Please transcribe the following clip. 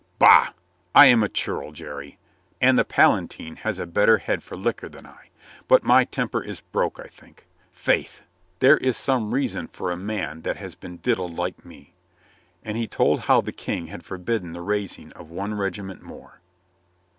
"Bah, I am a churl, Jerry. And the Palatine has a better head for liquor than I. But my temper is broke, I think. Faith, there is some reason for a man that has been diddled like me." And he told how the King had forbidden the raising of one regiment more.